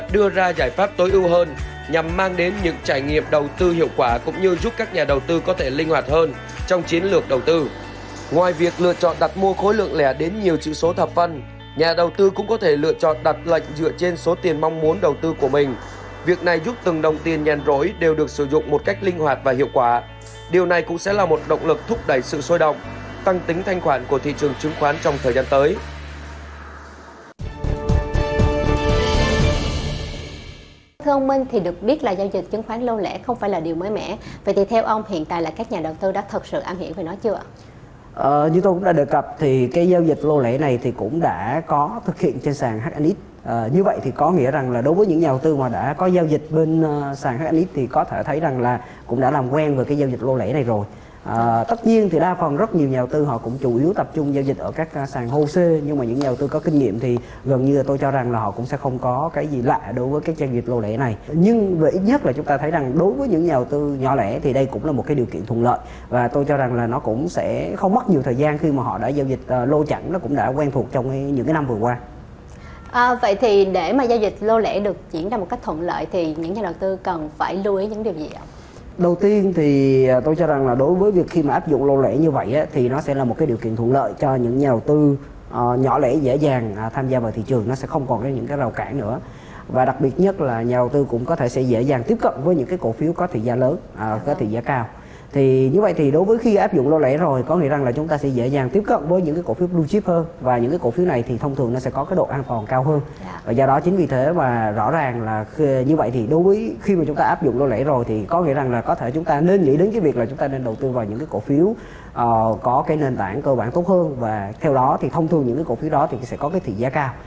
lễ rồi có nghĩa rằng là chúng ta sẽ dễ dàng tiếp cận với những cái cổ phiếu blue chip hơn và những cái cổ phiếu này thì thông thường nó sẽ có cái độ an toàn cao hơn và do đó chính vì thế mà rõ ràng là như vậy thì đối với khi mà chúng ta áp dụng lô lễ rồi thì có nghĩa rằng là có thể chúng ta nên nghĩ đến cái việc là chúng ta nên đầu tư vào những cái cổ phiếu có cái nền tảng cơ bản tốt hơn và theo đó thì thông thường những cái cổ phiếu đó thì sẽ có cái thị giá cao